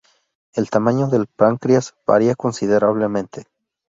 El tamaño del páncreas varía considerablemente.